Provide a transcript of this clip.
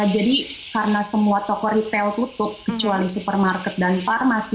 jadi karena semua toko retail tutup kecuali supermarket dan parmasi